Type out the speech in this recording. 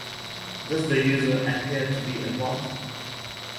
Does the user appear to be a bot?